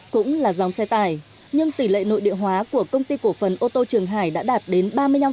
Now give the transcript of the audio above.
cũng là dòng xe tải nhưng tỷ lệ nội địa hóa của công ty cổ phần ô tô trường hải đã đạt đến ba mươi năm